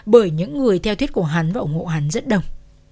bởi những người theo thuyết của hắn và ủng hộ hắn rất đông